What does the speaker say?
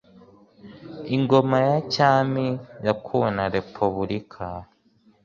Ingoma ya Cyami yakuwe na Repubulika